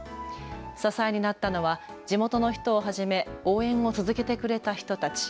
支えになったのは地元の人をはじめ応援を続けてくれた人たち。